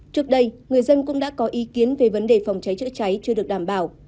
trước đây người dân cũng đã có ý kiến về vấn đề phòng cháy chữa cháy chưa được đảm bảo